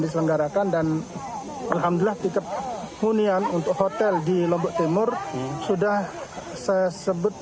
diselenggarakan dan alhamdulillah tiket hunian untuk hotel di lombok timur sudah saya sebut